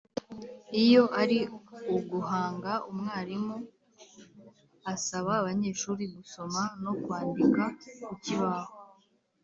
Iyo ari uguhanga umwarimu asaba abanyeshuri gusoma no kwandika ku kibaho